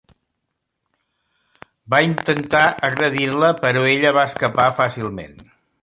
Va intentar agredir-la, però ella va escapar fàcilment.